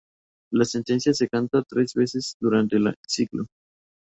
La sentencia se canta tres veces durante el ciclo.